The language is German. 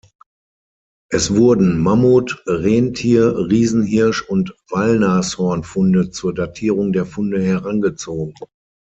Es wurden Mammut-, Rentier-, Riesenhirsch- und Wollnashorn-Funde zur Datierung der Funde herangezogen.